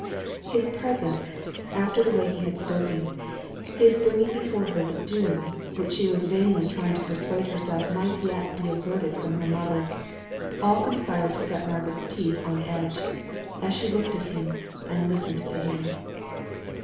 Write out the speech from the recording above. His presence, after the way he had spoken his bringing before her the doom, which she was vainly trying to persuade herself might yet be averted from her mother all conspired to set Margaret's teeth on edge, as she looked at him, and listened to him.